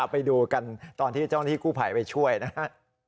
ไปดูกันตอนที่เจ้าหน้าที่กู้ภัยไปช่วยนะฮะ